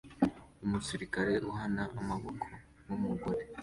Umusirikare uhana amaboko n'umugore